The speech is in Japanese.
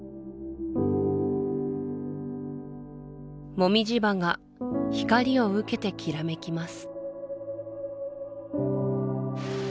もみじ葉が光を受けてきらめきます